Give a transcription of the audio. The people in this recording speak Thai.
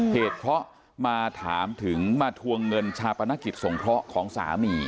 เหตุเพราะมาถามถึงมาทวงเงินชาปนกิจสงเคราะห์ของสามี